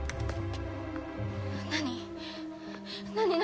何？